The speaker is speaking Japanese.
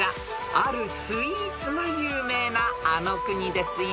［あるスイーツが有名なあの国ですよ］